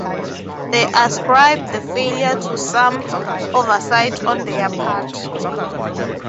They ascribe the failure to some oversight on their part.